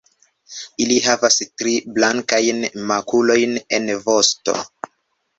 Ili havas tri blankajn makulojn en vosto.